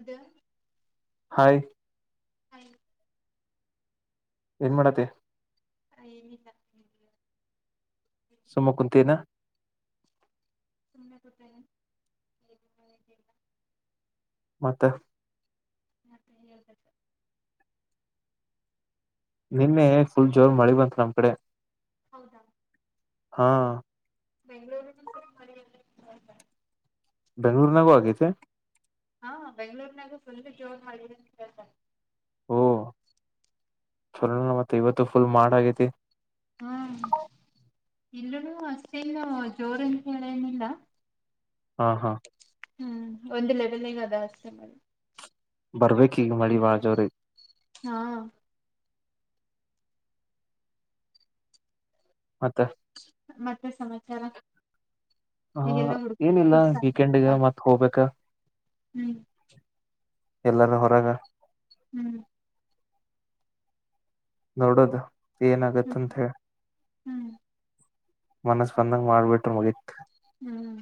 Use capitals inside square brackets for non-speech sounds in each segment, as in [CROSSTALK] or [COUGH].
ಇದ ಹಾಯ್ ಹ್ಮ ಏನ್ ಮಾಡತಿ ಅ ಏನಿಲ್ಲ ಸುಮ್ಮಕುಂತಿಎನ. [INAUDIBLE] ಮತ್ತ. [INAUDIBLE] ನಿನ್ನೆ ಫುಲ್ ಜೋರ್ ಮಳಿ ಬಂತು ನಮ್ ಕಡೆ. ಹೌದಾ ಹಾ ಬೆಂಗಳೂರು. [UNINTELLIGIBLE] ಬೆಂಗಳೂರ್ನಾಗೂ ಆಗೈತೆ. ಹಾ ಬೆಂಗ್ಳೂರ್ನಾಗು ಫುಲ್ ಜೋರ್ ಮಳಿ ನೆಂತ ಹೇಳ್ತಾನೆ. ಛಲೊನಾ ಮತ್ತ ಇವತ್ತು ಫುಲ್ ಮಾಡ ಆಗೈತಿ. ಹಾ ಇಲ್ಲುನು ಅಷ್ಟೇಲ್ಲೆವ ಜೋರಂತ ಹೇಳೇನಿಲ್ಲಾ. ಹಾ ಹಾ. ಹ್ಮ್ ಒಂದು ಲೆವೆಲ್ ಗ ಅದ ಅಸ್ತೆ ಮಳಿ. ಬರ್ಬೇಕ ಈಗ ಮಳಿ ಬಾಳ ಜೋರಗಿ. ಹಾ. ಮತ್ತ. ಮತ್ತೆ ಸಮ. ಹಾ ಏನ ಇಲ್ಲ ವೀಕೆಂಡ್ಗ ಮತ್ತ್ ಹೋಗ್ಬೇಕ. ಹ್ಮ್. ಎಲ್ಲಾನ ಹೊರಗ. ನೋಡೋದ. ಪೇನ ಆಗತ್ತಂತ ಹೇಳ್. ಮನಸ್ ಬಂದಂಗ ಮಾಡ್ಬಿಟ್ರ ಮುಗಿತ್. ಹ್ಮ್.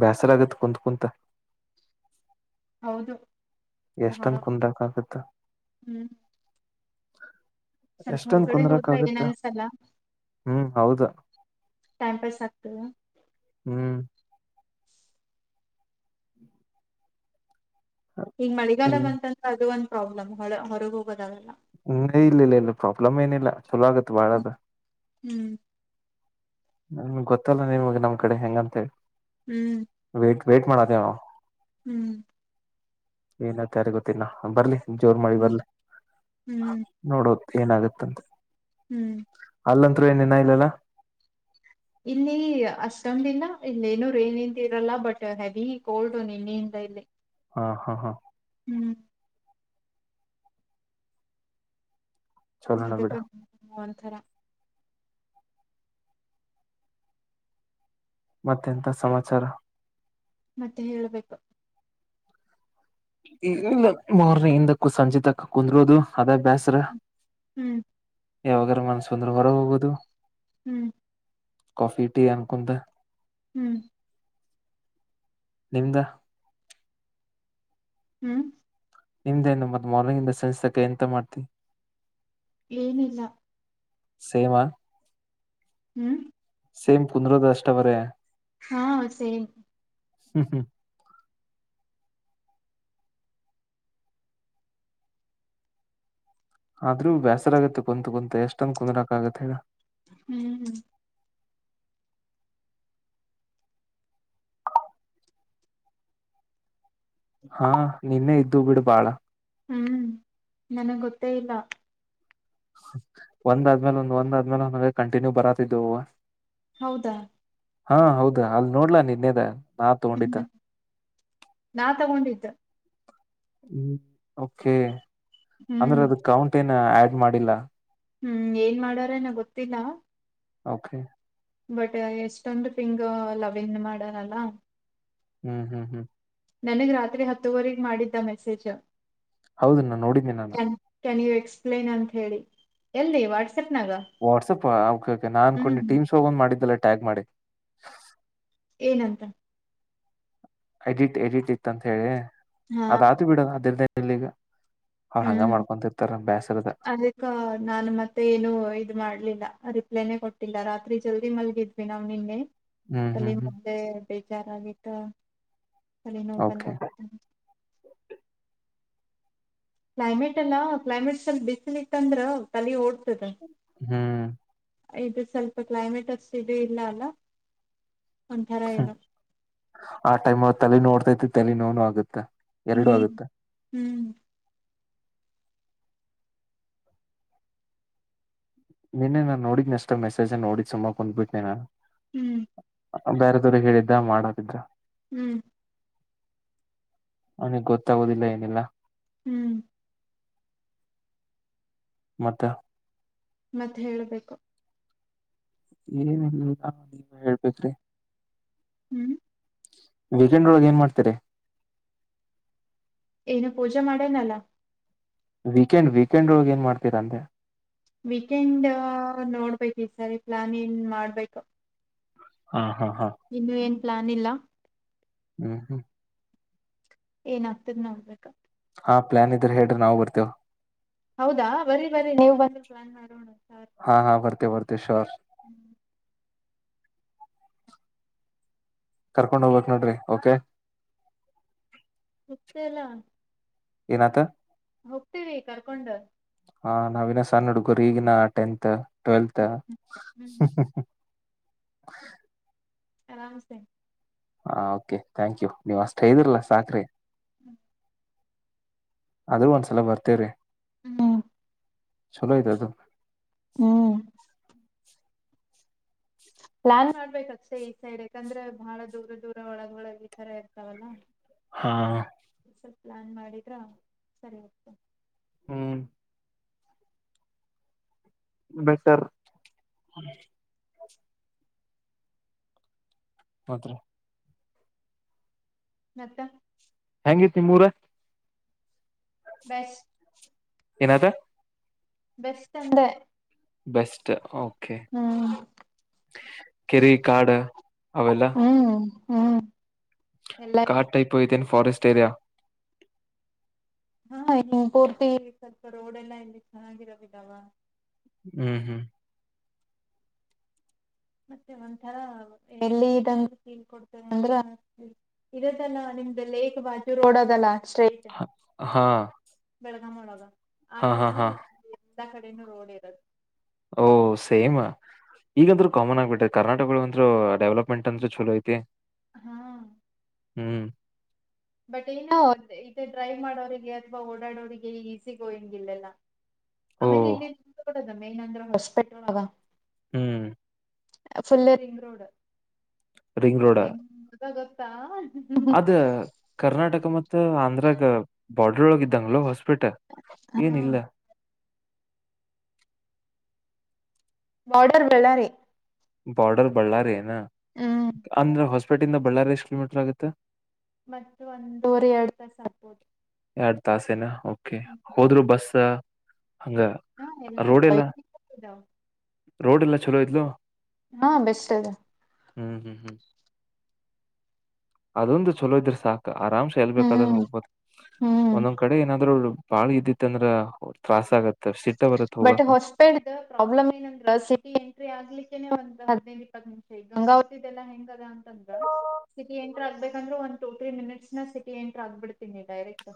ಬ್ಯಾಸರ ಆಗತ್ ಕುತ್ ಕುಂತ. ಎಷ್ಟಂತ ಕುಂದ್ರಾಕ ಆಗತ್ತ. [INAUDIBLE] ಸ್ವಲ್ಪ ಎಷ್ಟಂದ ಹೊರಗಡೆ ಕುಂದ್ರಕ್ ಹೋದ್ರ ಏನ ಆಗತ್ತ ಅನ್ಸಲ್ಲಾ. ಹ್ಮ್ ಹೌದ. Time pass ಆಗ್ತದೆವ. ಹ್ಮ್ ಈಗ್ ಮಳಿಗಾಲಾ ಇನ್ ಬಂತಂದು ಅದು ಒಂದ. ಪ್ರಾಬ್ಲಮ್ ಹೊಲೊ ಹೊರಗೆ ಹೋಗೋದ ಆಗಲ್ಲಾ. ಉಂಗ್ಲಿ ಇಲ್ಲೇ ಇಲ್ಲ ಇಲ್ಲ ಪ್ರಾಬ್ಲಮ್ ಏನಿಲ್ಲಾ. ಛಲು ಆಗತ್ತು ಬಾಳ್ಯದ. ಹ್ಮ್. ನಮಗ್ ಗೊತ್ತಲ್ಲ ನಿಮಗ್ ನಮ್ ಕಡೆ ಹೆಂಗ ಅಂತ ಹೇಳಿ. ಹ್ಮ್. ವೇಟ್ ವೇಟ್ ಮಾಡಾತ್ತೇವೆ ನಾವ. ಹ್ಮ್. ಏನ ಅತ್ತಾರೆ ಗೊತ್ತಿಲ್ಲಾ ಬರ್ಲಿ. ಜೋರ್ ಮಳಿ ಬರ್ಲೆ ನೋಡೋದ. ಏನಾಗತ್ತ. ಹ್ಮ್. ಅಲ್ಲಂತ್ರು ಏನ ಇನ ಇಲ್ಲಲ್ಲ. ಇಲ್ಲಿ ಅಷ್ಟೊಂದು ಇಲ್ಲಾ ಇಲ್ಲೇನು ರೇನಿಂಗ್ ಇರಲ್ಲ ಬಟ್ ಹೆವಿ ಕೋಲ್ಡ್ ನಿನ್ನೆಯಿಂದ ಇಲ್ಲಿ. ಹಾ ಹಾ ಹಾ. ಹ್ಮ್. ಚಲೋಣ ಅದಕ್ಕ. ಬಿಡ ತರ. ಮತ್ತೆಂತ ಸಮಾಚಾರ. ಮತ್ತೆ ಹೇಳಬೇಕ. ಇಲ್ಲ ಮಾರ್ನಿಂಗ್ ಇಂದ ಕು ಸಂಜೆ ತಕ ಕುಂದರುದು ಅದೇ ಭ್ಯಾಸ್ರ ಹ್ಮ್. ಯಾವಾಗರ ಮನಸ ಬಂದ್ರ ಹೊರಗ ಹೋಗೋದು. ಹ್ಮ್. ಕಾಫಿ ಟೀ ಅನುಕೊಂತ. ಹ್ಮ್. ನಿಮ್ದ. ಹ್ಮ್. ನಿಮ್ದೇನು ಮತ್ ಮಾರ್ನಿಂಗ್ ಇಂದ ಸಂಜೆ ತನಕ ಎಂತ ಮಾಡತ್ತಿ. ಏನಿಲ್ಲ. ಸೇಮ. ಹ್ಮ್. ಸೇಮ್ ಕುಂದ್ರುದು ಅಷ್ಟೇ ಬರೆ. ಹಾ ಸೇಮ. ಹ್ಮ್ ಹ್ಮ್. ಆದ್ರೂ ಬ್ಯಾಸರಾಗುತ್ತ ಕುಂತ ಕುಂತ ಎಷ್ಟಂದ ಕುಂದರಾಕ ಆಗತ್ತ ಹೇಳ. ಹ್ಮ್ ಹ್ಮ್. ಹಾ ನಿನ್ನೆ ಇದ್ದು ಬಿಡು ಬಾಳ. ಹ್ಮ್ ನನಗ್ ಗೊತ್ತೇ ಇಲ್ಲ. ಒಂದಾದ್ಮೇಲೆ ಒಂದ್ ಒಂದ್ ಆದ್ಮೇಲೆ ಒಂದ ಕಂಟಿನ್ಯೂ ಬರತಿದ್ವು. ಹೌದಾ. ಹಾ ಹೌದ ಅಲ್ ನೋಡ್ಲಾ ನಿನ್ನೇದ. ಹ್ಮ್ ನಾ ತಗೊಂಡಿದ್ದ. ಹ್ಮ ಓಕೆ. ಅಂದ್ರೆ ಅದ ಕೌಂಟೇನ್. ಆ ಹಾಡ್ ಮಾಡಿಲ್ಲ. ಹ್ಮ್ ಏನ್ ಮಾಡಾರೆನ ಗೊತ್ತಿಲ್ಲ. ಓಕೆ. ಬಟ್ ಎಷ್ಟೊಂದು ಫಿಂಗ್ ಲವ್ ಇನ್ ಮಾಡಾರಲ್ಲ. ಹ್ಮ್ ಹ್ಮ್ ಹ್ಮ್. ನನಗ್ ರಾತ್ರಿ ಹತ್ತುವರೆಗ ಮಾಡಿದ್ದ ಮೆಸೇಜ್. ಹೌದನ್ನ ನೋಡಿದ್ದಿ ನಾನ. ಎಕ್ಸ್ಪ್ಲೈನ್ ಅಂತ ಹೇಳಿ ಎಲ್ಲಿ ವಾಟ್ಸ್. ವಾಟ್ಸ್ಪ್ ಓಕೆ ಕೆ ನನ್ಕೊಂಡ ಟೀಮ್ಸ್ ಹ ಒಂದ್ ಮಾಡಿದ್ದಲ್ಲ. ಟ್ಯಾಗ್ ಮಾಡಿ. ಏನಂತ. ಎಡಿಟ್ ಎಡಿಟ್ ಇತ್ತ ಅಂತ ಹೇಳಿ. ಅದಾತ ಬಿಡ ಅದದ. ಇಲ್ಲಿಗ. ಹ್ಮ್ ಅದಕ್ಕ ನಾನು ಮತ್ತೆ ಏನು ಇದ ಮಾಡ್ಲಿಲ್ಲ. ರಿಪ್ಲೈನೇ ಕೊಟ್ಟಿಲ್ಲ ರಾತ್ರಿ ಜಲ್ದಿ ಮಲ್ಗಿದ್ವಿ ನಾವು ನಿನ್ನೆ. ಹ್ಮ್ ಹ್ಮ್ ಕಲಿ ಹ್ಮ್ ಮತ್ತೆ ಬೇಕ. ಜರಾಗಿತಾ. ಅಲ್ಲಿ ಓಕೆ ನೋಕಂತವ. ಕ್ಲೈಮೇಟ್ ಅಲ್ಲಾ ಕ್ಲೈಮೇಟ್ ಸ್ವಲ್ಪ್ ಬಿಸಿಲು ಇತ್ತ ಅಂದ್ರ ತಲಿ ಓಡ್. ಹ್ಮ್. ಇದು ಸ್ವಲ್ಪ ಕ್ಲೈಮೇಟ್ ಅಷ್ಟ ಇದು ಇಲ್ಲ ಅಲ್ಲ. ಹ್ಮ ಆ ಟೈಮ್ ತಲೆ ನೋಡ್ತಾತಿ. ತಲೆನೋವು ಆಗುತ್ತಾ. ಎರಡು ಆಗುತ್ತೆ. ನೆನ್ನೆ ನಾನನ್ ನೋಡಿದ್ನ ಎಷ್ಟ ಮೆಸೇಜ್ ನೋಡಿ ಸುಮಾ ಕುಂತು ಬಿಟ್ಟೆ ನಾನು. ಹ್ಮ್. ಬೇರೆದವ್ರಿಗೆ ಹೇಳಿದ್ದ ಮಾಡೋ ದಿಕ್ಕ. ಹ್ಮ್. ಅ ಗೊತ್ತಾಗುವುದಿಲ್ಲ ಏನಿಲ್ಲ. ಹ್ಮ್. ಮತ್ತೆ. ಮತ್ತೆ ಹೇಳ್ಬೇಕು. ಏನಲ್ಲಿಲ್ಲ ನೀವ ಹೇಳ್ಬೇಕ್ರಿ. ಹ್ಮ್. ವೀಕೆಂಡ್ ಒಳಗ ಏನ್ ಮಾಡ್ತೀರಿ. ಏನು ಪೂಜೆ ಮಾಡೇನಲ್ಲ. ವೀಕೆಂಡ್ ವೀಕೆಂಡ್ ಒಳಗೆ ಏನ್ ಮಾಡ್ತೀರಂತೆ. ವೀಕೆಂಡ್ ನೋಡ್ಬೇಕ ಈ ಸರಿ ಪ್ಲಾನ್ ಏನ್ ಮಾಡ್ಬೇಕು. ಹಾ. ಹಾ ಹಾ ಇನ್ನೇನೆ. ಪ್ಲಾನ್ ಇಲ್ಲಾ. ಹ್ಮ ಹ್ಮ್. ಏನ ಆಗ್ತದ್ ನೋಡ್ಬೇಕೊ. ಹಾ ಪ್ಲ್ಯಾನ್ ಇದ್ರೆ ಹೇಳ್ರಿ ನಾವು ಬರ್ತೇವ. ಹೌದಾ ಬರೀ ಬರೀ ನೀವು ಬನ್ನಿ ಪ್ಲ್ಯಾನ್ ಮಾಡೋಣ. ಹಾ ಹಾ ಬರ್ತೆವ ಬರ್ತೆವ ಶೋರ್. ಹ್ಮ. ಕರ್ಕೊಂಡ ಹೋಗಾಕ್ ನೋಡ್ರಿ ಓಕೆ. ಮುತ್ತು ಎಲ್ಲಾ. ಏನ ಆತ. ಹೋಗ್ತೇವಿ ಕರ್ಕೊಂಡ. ಹಾ ನಾವ ಇನ ಸಣ್ಣ ಹುಡ್ಗುರ ಈಗಿನ ಟೆಂನ್ತ. ಟ್ವೆಲ್ತ್ ಹಹಹ್ಹ್. [UNINTELLIGIBLE] ಅರಾಮ ಸೇ. ಹಾ ಓಕೆ ಥ್ಯಾಂಕ್ ಯು ನೀವ್ ಅಷ್ಟ ಠೈದ್ರಿಲ್ಲಾ ಸಾಕ್ರೀ. ಹ್ಮ್. ಅದ್ರೂ ಒಂದ್ಸಲ ಬರ್ತೇವ್ರೀ. ಛಲೋ ಐತ ಅದು. ಹ್ಮ್. ಪ್ಲ್ಯಾನ್ ಮಾಡ್ಬೇಕ ಅಕ್ಷಯ ಈ ಸೈಡ್ ಯಾಕಂದ್ರ ಭಾಳ ದೂರ ದೂರ ಒಳಗ ಒಳಗ ಈ ಥರಾ ಇರ್ತಾವಲ್ಲಾ. ಹಾ. ಸ್ವಲ್ಪ್ ಪ್ಲ್ಯಾನ್ ಮಾಡಿದ್ರ ಸರಿ ಆಗೊತ್ತೊ. ಹ್ಮ್. ಬೇಸರ್. ಮತ್ರ್ಯೇ. ನತ್ತ. ಹೆಂಗ ಇತ್ತ ನಿಮ್ಮ್ ಊರ. ಬ್ಯೇಸ್. ಏನ ಆತೋ. ಬೆಸ್ಟ್ ಅಂದೆ. ಬೆಸ್ಟ್ ಓ. ಖೆ ಕೆರಿ ಕಾಡ್ ಅವ ಎಲ್ಲಾ. ಹ್ಮ. ಕಾಟ ಐತ್ ಒಯಿತ್ತೇನಿ. ಫ್ಟಾರೆಸ್ಟ ಏರಿಯಾ. ಹಾ ಇನ್ ಪೂರ್ತಿ ಸ್ವಲ್ಪ ರೋಡ್ ಎಲ್ಲ ಇಲ್ಲಿ ಛೆನ್ನಾಗಿರದಿಲ್ಲಾವ. ಅಹ್ಮ್ ಹ್ಮ್. ಮತ್ತೆ ಒಂಥರಾ ವ ಎಲ್ಲಿ ಇದಂಗ ಕೊಡ್ತೇವೆ ಅಂದ್ರ ಇದಲ್ಲ ನಿಮ್ದ ಲೇಕ್ ಬಾಜು ರೋಡ ಅದಲ್ಲಾ. ಹ ಹಾ. [UNINTELLIGIBLE] ಆ ಹಾ ಹಾ ತರನೇ ಹಾ [UNINTELLIGIBLE] ಎಲ್ಲ ಕಡೆನೂ ರೋಡ್ ಇರದು. ಓಹ ಸೇಮ ಈಗಂದ್ರು ಕಾಮನ್ ಆಗ್ಬಿಟ್ಟೖತ್ ಕರ್ನಾಟಗಳು ಅಂದ್ರೂ ಡೆವಲಪ್ಮೆಂಟ್ ಅಂದ್ರೂ ಚಲೋ ಐತಿ. ಹಾ ಹ್ಮ್ ಬಟ್ ಏನೋ ಇದೇ ಡ್ರೈವ್ ಮಾಡೋರಿಗೆ ಅಥವಾ ಓಡಾಡೋರಿಗೆ ಈಸಿ ಗೋಯಿಂಗಿಲ್ಲಲ್ಲ. ಓ ಆಮೇಲೆಲ್ಲಿ [UNINTELLIGIBLE] ಮೇನ್ ಅಂದ್ರೆ [UNINTELLIGIBLE] ಹ್ಮ್ ಫುಲ್ ರಿಂಗ್ ರೋಡ್. ಹೆಂಗ [UNINTELLIGIBLE] ತಾಲ್ ಅದು ಕರ್ನಾಟಕ ಮ ತ್ತು ಆಂಧ್ರಾಗ ಬಾರ್ಡ್ರೊಳಗೆ ಇದಂಗ್ಲ ಹೊಸ್ ಪ್ಪಿಟ ಏನಿಲ್ಲ. ಬಾರ್ಡರ್ ಬಳ್ಳಾರಿ. ಬಾರ್ಡರ್ ಬಳ್ಳಾರಿ ಏನಾ? ಅಂದ್ರ ಹೊಸ್ ಪೇಟಿಂದ ಬಳ್ಳಾರಿ ಎಷ್ಟು ಕಿಲೋಮೀಟರ್ ಆಗುತ್ತೆ. ಮತ್ತು ಒಂದವರೆ ಎರಡ್ ತಾಸಾಗ್ಬೋದು. ಎರಡು ತಾಸೇನಾ ಓಕೆ ಹೋದ್ರು ಬಸ್ಸ ಹಂಗ ರೋಡೆಲ್ಲ. ರೋಡೆಲ್ಲ ಚಲೋ ಇದ್ಲು. ಹಾ ಬೆಸ್ಟ್ ಅದ. ಹ್ಮ್ ಹ್ಮ್ ಹ್ಮ್ ಅದೊಂದು ಚಲೋ ಇದ್ರ ಸಾಕ್. ಕ ಆರಾಮ್ಸೆ ಎಲ್ಬೇಕಾದ್ರು ಹ್ಮ್ ಹೋಗ್ಬೋದು ಹ್ಮ್ ಒಂದೊಂದ್ ಕಡೆ ಏನಾದ್ರೂ ಬಾಳ ಇದ್ದಿತ್ ಅಂದ್ರ ತ್ರಾಸಾಗತ್ತ್. ಬಟ್ ಹೊಸಪೇಟ್ದು ಪ್ರಾಬ್ಲಮ್ ಏನಂದ್ರ ಸಿಟಿ ಎಂಟ್ರಿ ಆಗ್ಲಿ ಟಿನೆ ಒಂದು ಹದ್ನೈದು ಇಪ್ಪತ್ತು ನಿಮಿಷ ಈ ಗಂಗಾವತಿದೆಲ್ಲ ಹೆಂಗದ? ಸಿಟಿ [UNINTELLIGIBLE] ತ್ರ ಆಗ್ಬೇಕಂದ್ರೆ ಒಂದು ಟೂ ತ್ರೀ ಮಿನಿಟ್ಸ್ನ ಸಿಟಿ ಎಂಟ್ರ್ ಆಗ್ಬಿಡ್ತೀನಿ ಡೈರೆಕ್ಟ್.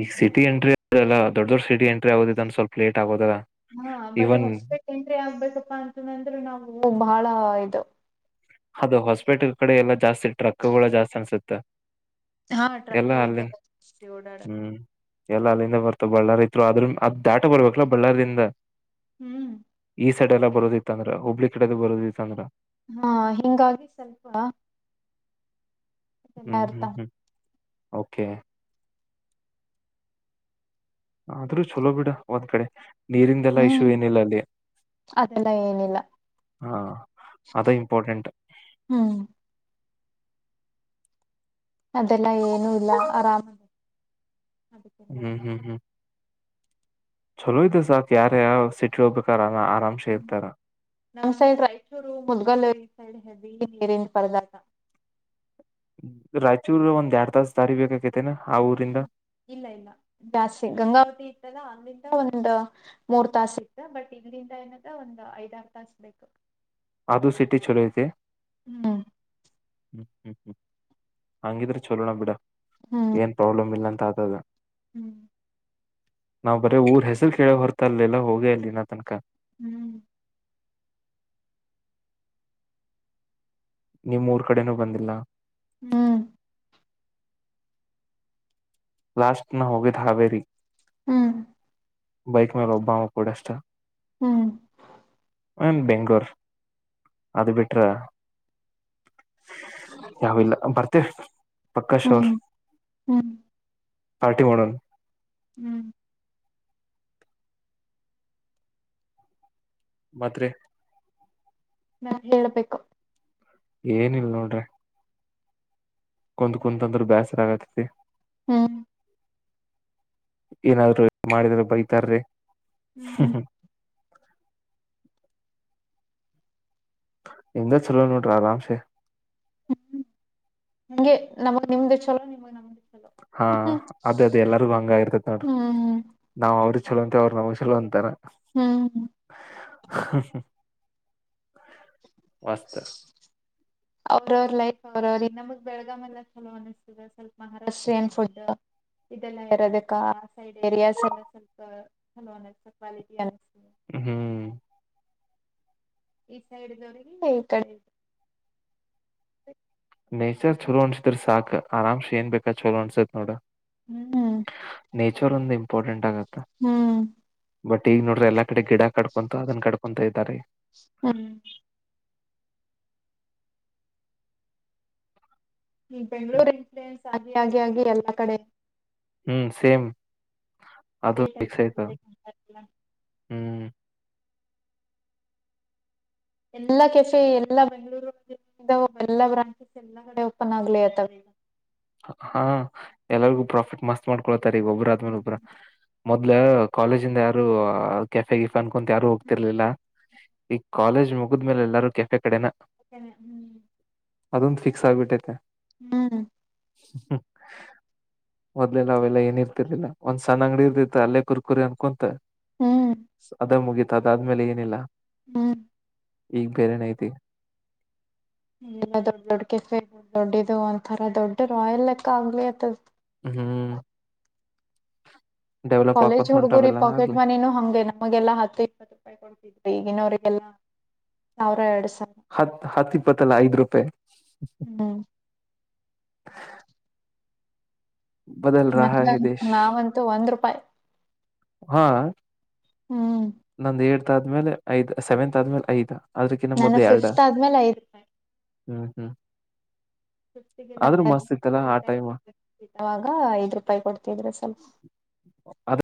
ಈಗ ಸಿಟಿ ಎಂಟ್ರಿ ಅಲ್ಲ ದೊಡ್ ದೊಡ್ಡ ಸಿಟಿ ಎಂಟ್ರಿ ಆಗೋದ ಅಂದಂದು ಸ್ವಲ್ಪ ಲೇಟ್ ಆಗೋದಾ. ಹಾ ಬಟ್ ಹೊಸಪೇಟೆಯಿಂದ ಎಂಟ್ರಿ ಆಗ್ಬೇಕಪ್ಪಾ ಅಂತ ನಂದ್ರರು ನಾವು. ಬಹಳ ಇದು. ಅದು ಹೊಸಪೇಟೆ ಕಡೆ ಎಲ್ಲ ಜಾಸ್ತಿ. ಟ್ರಕ್ಗಳು ಜಾಸ್ತಿ ಅನ್ಸುತ್ತೆ. ಹಾ ಟ್ರಕ್ಕು. [UNINTELLIGIBLE] ಎಲ್ಲ ಅಲ್ಲಿಂದ ಬರ್ತ ಬಳ್ಳಾರಿ ಇದ್ರು ಆದ್ರ ಅದ ದಾಟ ಬರ್ಬೇಕಲಾ ಬಳ್ಳಾರಿಯಿಂದ. ಹ್ಮ್. ಈ ಸೈಡ್ ಎಲ್ಲ ಬರೋದತ್ತಂದ್ರ ಹುಬ್ಬಳ್ಳಿ ಕಡೆದು ಬರೋದತ್ತ ಅ್ರ. ಹಾ ಹಿಂಗಾಗಿ ಸ್ವಲ್ಪ. ಹ್ಮ್ ಹ್ಮ್ ಹ್ಮ್. ಓಕೆ. ಆದ್ರೂ ಚಲೋ ಬಿಡ ಒಂದ್ ಕಡೆ. ನೀರಿಂದೆಲ್ಲ ಇಶ್ಯು ಹ್ಮ್ ಏನಿಲ್ಲಲ್ಲಿ. ಅದೆಲ್ಲ ಏನಿಲ್ಲ ಹಾ. ಅದು ಇಂಪಾರ್ಟೆಂಟ್. ಹ್ಮ್ ಅದೆಲ್ಲಾ ಏನು ಇಲ್ಲ ಆರಾಮಲ್ಲ. ಹ್ಮ್ ಹ್ಮ್ ಹ್ಮ್. ಚಲೋ ಇದ್ದ ಸರ್ ಯಾರ ಯ ಸಿಟಿ ಹೋಗ್ಬೇಕಾಾರ. ಹ್ಮ್ ನಂಗ್ ಸೈಡ್ ರಾಯಚೂರು ಮುದ್ಗಲ್ಲ ಸೈಡ್. [UNINTELLIGIBLE] ಪರದಾಾಗ. ರಾಯಚೂರ್ ಒಂದ್ ಎರಡ್ ತಾಸ ದಾರಿ ಬೇಕಾಗಿದ್ದೇನು ಆ ಊರಿಂದ. ಇಲ್ಲ ಇಲ್ಲ ಜಾಸ್ತಿ ಗಂಗಾವತಿ ಇತ್ತಲ್ಲ ಅಲ್ಲಿ್ರಿಂದ ಒಂದ್ ಮೂರ್ ತಾಸ ಇತ್ತು ಬಟ್ ಇದ್ರಂದ ಏನದ ಒಂದ್ ಐದಾರ ತಾಸ ಬೇಕು. ಅದು ಸಿಟಿ ಚಲೋ ಐತೆ. ಹ್ಮ್ ಹ್ಮ್ ಹಂಗಿದ್ರೆ ಚಲೋಣ ಬಿಡ. ಏನ್ ಪ್ರಾಬ್ಲಮ್ ಇಲ್ಲ ಅಂತ. ಹೌದ. ಹ್ಮ್. ನಾವ್ ಬರೇ ಊರ್ ಹೆಸರು ಕೇಳ ಹೊರ್ತಾ ಇಲಿಲ್ಲ ಹೋಗೇ ಅಲ್ಲಿನ ತಿನಕ. ಹ್ಮ್. ನಿಮ್ಮೂರು ಕಡೆನೂ ಬಂದಿಲ್ಲ. ಹ್ಮ್. ಲಾಸ್ಟ್ ನ ಗೆ ನಾವು ಹೋಗಿದ್ದು ಹಾವೇರಿ. ಹ್ಮ್ ಬೈಕ್ ಮೇಲೆ ಒಬ್ಬಾಮ ಪೂಡಷ್ಟ. ಹ್ಮ್ ಒನ್ ಬೆಂಗ್ಗಳೂರ್ ಅದು ಬಿಟ್ರ. ಯಾವಿಲ್ಲ ಬರ್ತ ತ್ತೆ ಹ್ಮ್ ಹ್ಮ್ ಪಾರ್ಟಿ ಮಾಡನ್ ಹ್ಮ್ ಮತ್ರಿ ನಾ ಹೇಳ್ಬೇಕು ಏನಿಲ್ ನೋಡ್ರಿ. ಕುತ್ ಕುಂತ ಅಂದ್ರ ಬ್ಯಾಸರ ಆಗತತಿ ಹ್ಮ್ ಏನಾದ್ರು ಮಾಡಿದ್ರೆ ಬೈತಾರ್ರಿ. ಹ್ಮ್ [INAUDIBLE] ನಿಮ್ದ ಚುಲೊ ನೋಡ್ರಿ ಆರಾಮಸೆ. ಹ್ಮ್ ಹಗೆ ನಮಗ್ ನಿಮ್ದ ಚಲೋ ನಿಮಗ್ ನಮ್ದ. ಹಾ ಅದ ಅದೆ ಎಲ್ಲರಿಗು ಹಂಗ ಆಗರ್ತೇತಿ ನೋಡ್ರಿ ಹ್ಮ್ ನಾವ್ ಅವ್ರಿ ಚಲೋ ಅಂತೆವೆ ಅವ್ರ ನಮ ಚಲೋ ಅಂತಾರ. ಹ್ಮ್ ವಸ್ತ ಅವ್ರವ್ರ ಲೈಫ ಅವರವ್ರ ನಮಗ್ ಬೆಳಗಾವ ಎಲ್ಲಾ ಚಲೋ ಅನಿಸ್ತದ ಸ್ವಲ್ಪ ಮಹಾರಾಷ್ಟ್ರಯನ್ ಫುಡ್ ಇದೆಲ್ಲಾ ಇರೋದಕ್ಕ ಸೈಡ್ ಏರಿಯಾಸ್ ಎಲ್ಲ ಸ್ವಲ್ಪ ಚಲೋ ಅತ ಕ್ವಾಲಿಟಿ ಅನಸತ ಹ್ಮ್ ಈ ಸೈಡ್ ದವ್ರಿಗೆ ಇ ಕಡೆ ನೇಚರ್ ಚಲೋ ಅನ್ಸದ್ರ ಸಾಕ ಆರಾಮ್ಸ ಏನ್ ಬೇಕ ಚಲೋ ಅಣಸತ್ ನೋಡ ನೇಚರ್ ಒಂದ ಇಂಪಾರ್ಟೆಂಟ್ ಆಗತ್ತ. ಹ್ಮ್ ಬಟ್ ಈಗ ನೋಡ್ರಿ ಎಲ್ಲಾ ಕಡೆ ಗಿಡ ಕಡ್ಕೊಂತು ಅದನ್ನ ಕಡ್ಕೊಂತ ಇದಾರಿ. ಹ್ಮ್ ಈ ಬೆಂಗಳೂರಿನ್ ಫ್ರೆಂಡ್ಸ್. ಸಾಗಿ ಆಗಿ ಆಗಿ ಎಲ್ಲಾ ಕಡೆ. ಹ್ಮ್ ಸೇಮ್ ಅದು ಫಿಕ್ಸ್ ಆಯ್ತ ಹ್ಮ್ ಎಲ್ಲಾ ಕೆಫೆ ಎಲ್ಲಾ ಬೆಂಗಳೂರು ಎಲ್ಲಾ ಬ್ರಾಂಚಸ್ ಎಲ್ಲಾ ಕಡೆ ಓಪನ್ ಆಗ್ಲಿ ಅತಾವ್ ಈಗ್ ಹಾ ಎಲ್ಲಾರಗೂ ಪ್ರಾಫಿಟ್ ಮಸ್ತ್ ಮಾಡ ಕರೀಗ್ ಒಬ್ರಾದ್ಮೇಲೆ ಒಬ್ರಾ. ಮೊದ್ಲ ಕಾಲೇಜಿಂದ ಯಾರು ಕೆಫೆಗಿಫೆ ನ್ ಅಂತ ಯಾರು ಹೋಗ್ತಿರ್ಲಿಲ್ಲ ಈಗ ಕಾಲೇಜ್ ಮುಗಿದಮೇಲೆ ಎಲ್ಲಾರು ಕೆಫೆ ಕಡೆನ. ಅ ಹ್ಮ್ ಅದೊಂದ ಫಿಕ್ಸ್ ಆಗ್ಬಿಟ್ಟೈತೆ. ಹ್ಮ ಮೊದ್ಲೆ ನೆಲ್ಲ ಏನ ಇರ್ತಿರ್ಲಿಲ್ಲ ಒಂದ್ ಸಣ್ಣ ಅಂಗಡಿ ಇರ್ದತೆ ಅಲ್ಲೇ ಕುರ್ಕುರಿ ಅನ್ಕೊಂತ ಹ್ಮ್ ಸ ಅದ ಮುಗಿತ. ಅದಾದ್ಮೇಲೆ ಏನಿಲ್ಲಾ. ಹ್ಮ್ ಈಗ ಬೇರೆನೈತಿ ಇಲ್ಲಾ ದೊಡ್ಡ ದೊಡ್ಡ ಕೆಫ ದೊಡ್ಡದು ಒಂಥರಾ ದೊಡ್ಡ ರಾಯಿಲ್ ಲೆಕ್ಕ ಆಗ್ಲಿ ಅತದ. ಹ್ಮ್ ಡೆವಲಪ್ ಕಾಲೇಜ್ ಹಾಕೋತ ಹುಡ್ಗುರಿ ಹೊಂಟಾವೆಲ್ಲ ಪಾಕೆಟ್ ಆಗ್ಲಿ ಮನಿನೂ ಹಂಗೆ ನಮಗೆಲ್ಲಾ ಹತ್ತು ಇಪ್ಪತ್ತು ರೂಪಾಯಿ ಕೊಡ್ತಿ ಈಗಿನವ್ರಿಗೆಲ್ಲಾ [UNINTELLIGIBLE] ಎಡಸ್ ಹತ್ ಹತ್ ಇಪ್ಪತ್ತಲ್ಲ ಐದ್ ರೂಪೆ ಹ್ಮ್ [INAUDIBLE] ನ ಹೆ ದೇಶ್ ನಾವಂತೂ ಒಂದ್ ರೂಪಾಯಿ ಹಾ ಹ್ಮ್ ನಂದ ಎ ತ್ ಆದ್ಮೇಲೆ ಐದ್ ಸೆವೆಂತ್ ಆದ್ಮೇಲೆ ಐದ್ ನಾನ ಫಿಫ್ತ್ ಆದ್ಮೇಲೆ ಐದ ಹ್ಮ ಹ್ಮ್ ಆದ್ರೂ ಮಸ್ತ್ ಇತ್ತಲ್ಲಾ ಆ ಟೈಮ್ ಆಗಾ ಐದ್ ರೂಪಾಯಿ ಕೊಡ್ತಿದ್ರ ಸ್ವಲ್ಪ.